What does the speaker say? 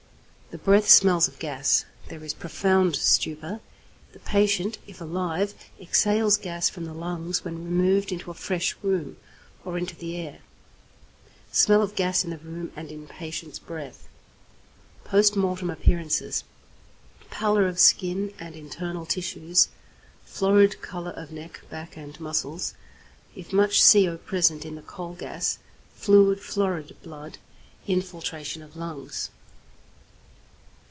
The breath smells of gas; there is profound stupor; the patient, if alive, exhales gas from the lungs when removed into a fresh room or into the air. Smell of gas in the room and in patient's breath. Post Mortem Appearances. Pallor of skin and internal tissues; florid colour of neck, back, and muscles, if much CO present in the coal gas; fluid florid blood; infiltration of lungs.